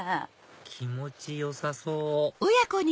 気持ちよさそう！